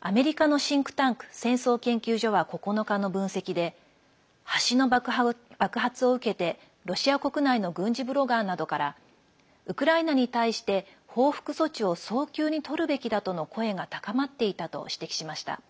アメリカのシンクタンク戦争研究所は９日の分析で橋の爆発を受けて、ロシア国内の軍事ブロガーなどからウクライナに対して報復措置を早急にとるべきだとの声が高まっていたと指摘しました。